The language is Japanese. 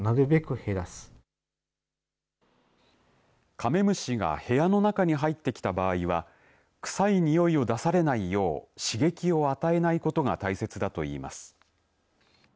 カメムシが部屋の中に入ってきた場合はくさい臭いを出されないよう刺激を与えないことが大切だと言います。